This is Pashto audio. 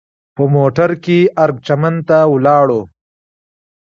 په موټر کې ارګ چمن ته ولاړو.